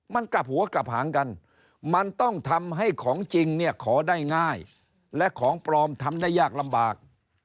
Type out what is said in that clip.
มันกลับหัวกลับหางกันมันต้องทำให้ของจริงเนี่ยขอได้ง่ายและของปลอมทำได้ยากลำบาก